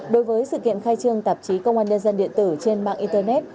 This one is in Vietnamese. đối với sự kiện khai trương tạp chí công an nhân dân điện tử trên mạng internet